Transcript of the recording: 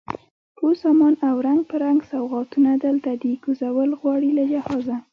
ټول سامان او رنګ په رنګ سوغاتونه، دلته دی کوزول غواړي له جهازه